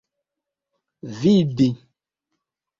vidi